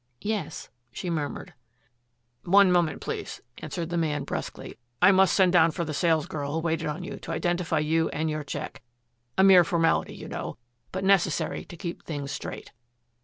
"Yes," she murmured. "One moment, please," answered the man brusquely. "I must send down for the salesgirl who waited on you to identify you and your check a mere formality, you know, but necessary to keep things straight."